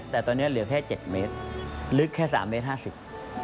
แต่ตอนนี้เหลือแค่๗เมตรลึกแค่๓เมตร๕๐เมตร